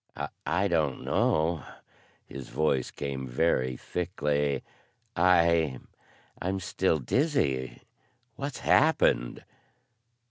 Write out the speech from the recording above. "I don't know." His voice came very thickly. "I I'm still dizzy. What's happened?"